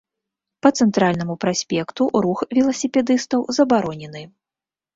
Па цэнтральнаму праспекту рух веласіпедыстаў забаронены.